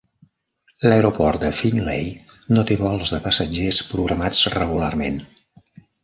L'aeroport de Findlay no té vols de passatgers programats regularment.